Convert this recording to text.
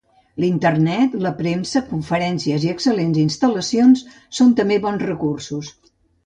L'Internet, la premsa, conferències i excel·lents instal·lacions són també bons recursos.